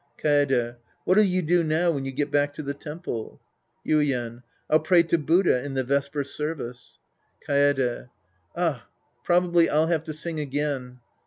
Kaede. What'll you do now when you get back to the temple ? Yuien. I'll pray to Buddha in the vesper service. Kaede. Ah. Probably I'll have to sing again.